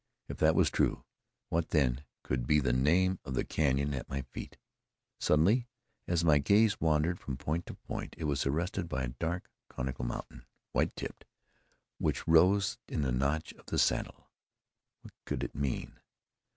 If that was true, what, then, could be the name of the canyon at my feet? Suddenly, as my gaze wandered from point to point, it was attested by a dark, conical mountain, white tipped, which rose in the notch of the Saddle. What could it mean?